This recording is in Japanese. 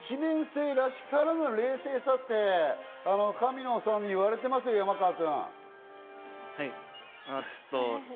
１年生らしからぬ冷静さって神野さんに言われてますよ、山川君。